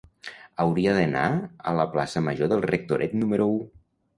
Hauria d'anar a la plaça Major del Rectoret número u.